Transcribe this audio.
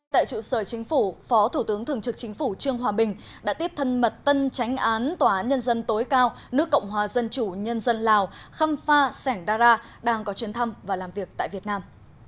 tại trụ sở chính phủ phó thủ tướng thường trực chính phủ trương hòa bình đã tiếp thân mật tân tránh án tòa án nhân dân tối cao nước cộng hòa dân chủ nhân dân lào khâm pha sẻng đa ra đang có chuyến thăm và làm việc tại việt nam